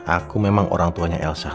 aku memang orang tuanya elsa